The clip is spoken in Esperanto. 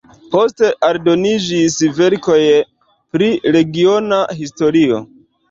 Poste aldoniĝis verkoj pri regiona historio.